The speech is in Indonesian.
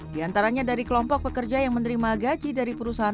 di antaranya dari kelompok pekerja yang menerima gaji dari perusahaan